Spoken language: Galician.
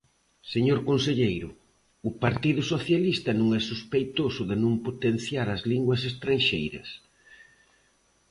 Señor conselleiro, o Partido Socialista non é sospeitoso de non potenciar as linguas estranxeiras.